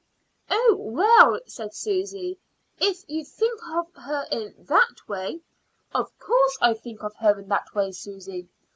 "Oh, well," said Susy, "if you think of her in that way " "Of course I think of her in that way, Susy.